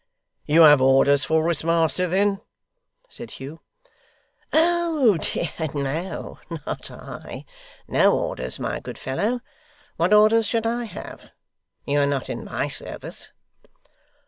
'You have orders for us, master, then?' said Hugh. 'Oh dear, no. Not I. No orders, my good fellow. What orders should I have? You are not in my service.